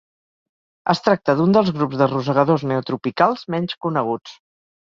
Es tracta d'un dels grups de rosegadors neotropicals menys coneguts.